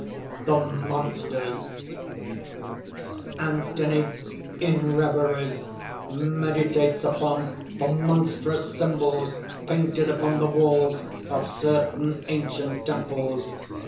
THE MONSTERS Anthony in reveries meditates upon the monstrous symbols painted upon the walls of certain ancient temples.